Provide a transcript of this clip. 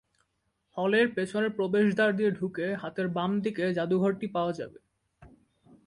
হলের পেছনের প্রবেশদ্বার দিয়ে ঢুকে হাতের বাম দিকে জাদুঘরটি পাওয়া যাবে।